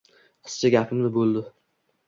Qizcha gapimni bo‘ldi: